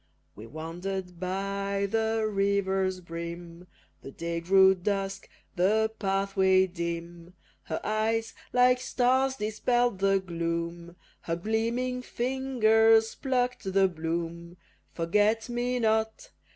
We wander'd by the river's brim, The day grew dusk, the pathway dim; Her eyes like stars dispell'd the gloom, Her gleaming fingers pluck'd the bloom. Forget me not!